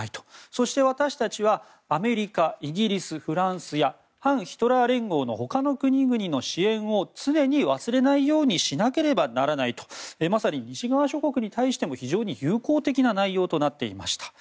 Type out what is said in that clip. そして私たちはアメリカイギリス、フランスや反ヒトラー連合の他の国々の支援を常に忘れないようにしなければならないとまさに西側諸国に対しても非常に友好的な内容となっていました。